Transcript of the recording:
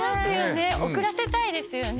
遅らせたいですよね。